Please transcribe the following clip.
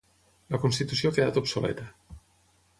La Constitució ha quedat obsoleta.